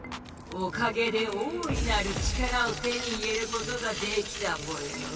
おかげで大いなる力を手に入れることができたぽよ。